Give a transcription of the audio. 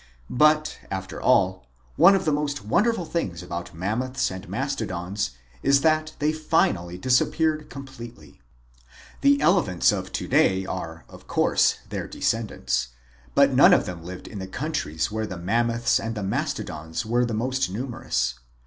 But, after all, one of the most wonderful things MAMMOTHS AND MASTODONS 127 about the Mammoths and the Mastodons is that they finally disappeared completely. The elephants of to day are, of course, their descendants, but none of them live in the countries where the Mammoths and the Mastodons were the most numerous.